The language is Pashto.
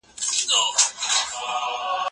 ونه یم د پاڼ پر سر کږه یمه نړېږمه